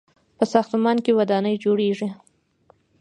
په ساختمان کې ودانۍ جوړیږي.